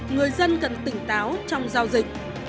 người dân cần tỉnh táo trong giao dịch